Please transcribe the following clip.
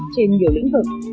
trên nhiều lĩnh vực